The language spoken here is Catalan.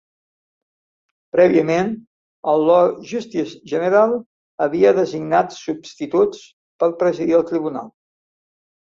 Prèviament el Lord Justice General havia designat substituts per presidir el tribunal.